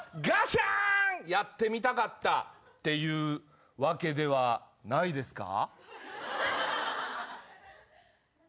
やってみたかったっていうわけではないですか？